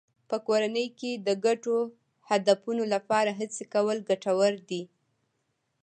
په کورنۍ کې د ګډو هدفونو لپاره هڅې کول ګټور دي.